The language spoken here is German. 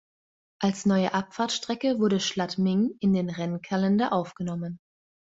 Als neue Abfahrtsstrecke wurde Schladming in den Rennkalender aufgenommen.